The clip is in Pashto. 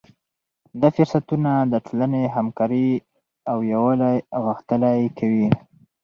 دا فرصتونه د ټولنې همکاري او یووالی غښتلی کوي.